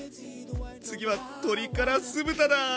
次は鶏から酢豚だ！